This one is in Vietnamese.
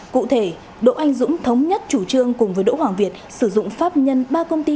cụ thể đỗ anh dũng thống nhất chủ trương cùng với đỗ hoàng việt sử dụng pháp nhân ba công ty